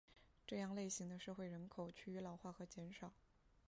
这种类型的社会人口趋于老化和减少。